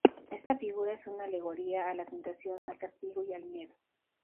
Esta figura es una alegoría a la tentación, al castigo y al miedo.